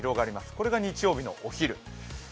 これが日曜日のお昼。